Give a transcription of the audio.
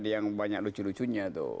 yang banyak lucu lucunya